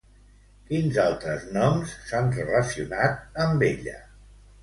Quins altres noms s'han relacionat amb ella?